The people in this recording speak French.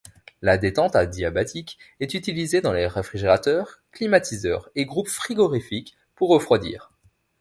La détente adiabatique est utilisée dans les réfrigérateurs, climatiseurs et groupes frigorifiques, pour refroidir.